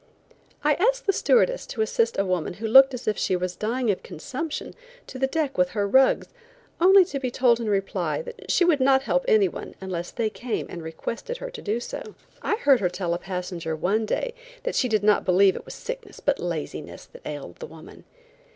I asked the stewardess to assist a woman who looked as if she was dying of consumption, to the deck with her rugs, only to be told in reply, that she would not help any one unless they came and requested her to do so. I heard her tell a passenger one day, that she did not believe it was sickness, but laziness that ailed the woman.